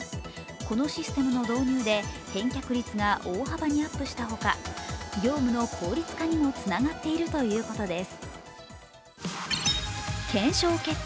このシステムの導入で返却率が大幅にアップしたほか、業務の効率化にもつながっているということです。